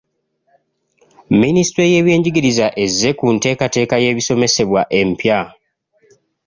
Minisitule y'ebyenjigiriza ezze ku nteekateeka y'ebisomesebwa empya.